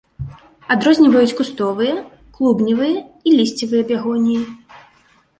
Адрозніваюць кустовыя, клубневыя і лісцевыя бягоніі.